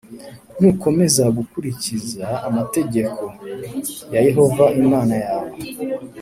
nukomeza gukurikiza amategeko+ ya yehova imana yawe